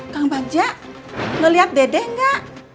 kang banja lo liat dede enggak